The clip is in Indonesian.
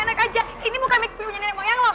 eh enak aja ini bukan mikipi punya nenek moyang lo